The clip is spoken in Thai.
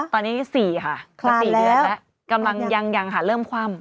ตอนนี้๔ค่ะก็๔เดือนแล้วกำลังยังค่ะเริ่มคว่ำ